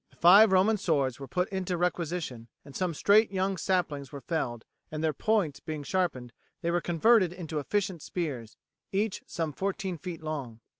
The five Roman swords were put into requisition, and some straight young saplings were felled, and their points being sharpened they were converted into efficient spears, each some fourteen feet long.